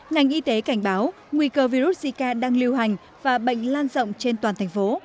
ngành y tế cảnh báo nguy cơ virus zika đang lưu hành và bệnh lan rộng trên toàn thành phố